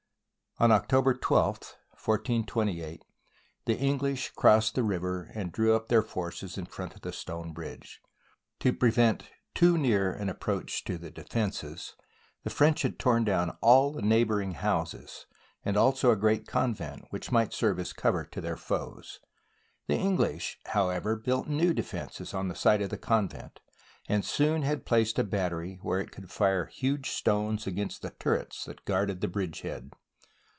On October 12, 1428, the English crossed the river and drew up their forces in front of the stone bridge. To prevent too near an approach THE BOOK OF FAMOUS SIEGES to the defences the French had torn down all the neighbouring houses, and also a great convent, which might serve as cover to their foes. The English, however, built new defences on the site of the convent, and soon had placed a battery where it could fire huge stones against the turrets that guarded the bridge head.